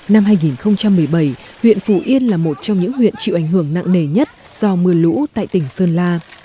năm hai nghìn một mươi bảy huyện phủ yên là một trong những huyện chịu ảnh hưởng nặng nề nhất do mưa lũ tại tỉnh sơn la